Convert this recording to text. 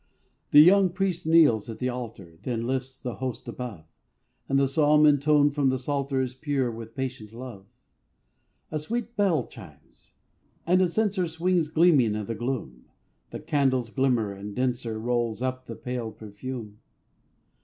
The young priest kneels at the altar, Then lifts the Host above; And the psalm intoned from the psalter Is pure with patient love. A sweet bell chimes; and a censer Swings gleaming in the gloom; The candles glimmer and denser Rolls up the pale perfume.